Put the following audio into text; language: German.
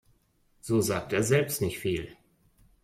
So sagt er selbst nicht viel.